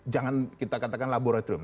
jangan kita katakan laboratorium